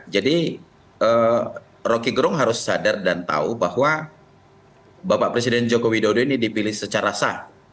jadi roky gerung harus sadar dan tahu bahwa bapak presiden jokowi dodo ini dipilih secara sah